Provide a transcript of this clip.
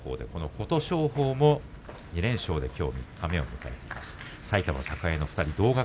琴勝峰も２連勝で三日目を迎えています。